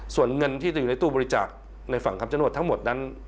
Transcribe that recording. ส่วนเงินที่จะอยู่ในตู้บริจาคในฝั่งคำชโนธทั้งหมดนั้น